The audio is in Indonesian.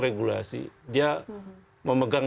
regulasi dia memegang